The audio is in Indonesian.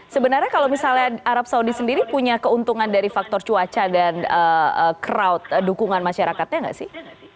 sebenarnya kalau misalnya arab saudi sendiri punya keuntungan dari faktor cuaca dan crowd dukungan masyarakatnya nggak sih